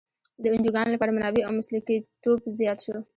د انجوګانو لپاره منابع او مسلکیتوب زیات شو.